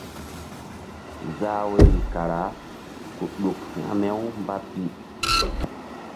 Zah woyri kara ku ɗuk hȩkme-umba pi.